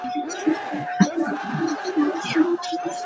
Transmission occurs between healthcare providers and patients.